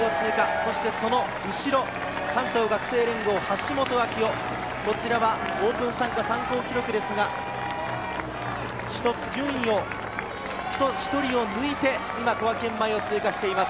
そしてその後ろ、関東学生連合・橋本章央、オープン参加、参考記録ですが、１つ順位を、１人を抜いて小涌園前を通過しています。